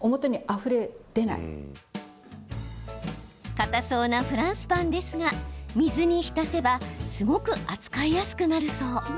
かたそうなフランスパンですが水に浸せばすごく扱いやすくなるそう。